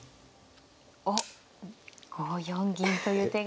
おっ５四銀という手が。